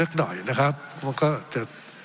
ทั้งสองกรณีผลเอกประยุทธ์